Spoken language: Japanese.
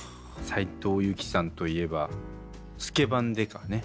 斉藤由貴さんといえば「スケバン刑事」ね。